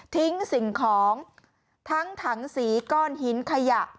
สิ่งของทั้งถังสีก้อนหินขยะ